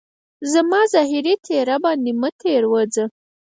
زما ظاهري څهره باندي مه تیروځه